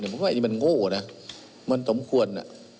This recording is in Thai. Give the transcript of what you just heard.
ผมว่าอันนี้มันโง่นะมันสมควร